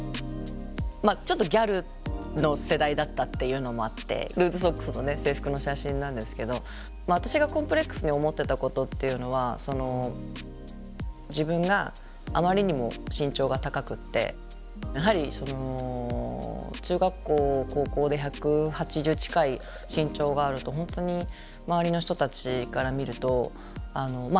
ちょっとギャルの世代だったっていうのもあってルーズソックスのね制服の写真なんですけど私がコンプレックスに思ってたことっていうのは自分があまりにも身長が高くってやはり中学校高校で１８０近い身長があると本当に周りの人たちから見ると異様に見えるんですよね。